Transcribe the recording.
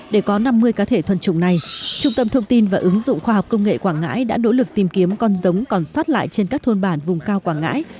để có năm mươi cá thể thuần trùng này trung tâm thông tin và ứng dụng khoa học công nghệ quảng ngãi đã nỗ lực tìm kiếm con giống còn sót lại trên các thôn bản vùng cao quảng ngãi